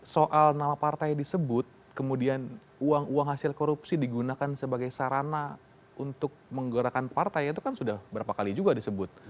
soal nama partai disebut kemudian uang uang hasil korupsi digunakan sebagai sarana untuk menggerakkan partai itu kan sudah berapa kali juga disebut